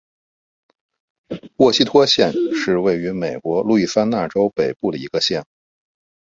沃希托县是位于美国路易斯安那州北部的一个县。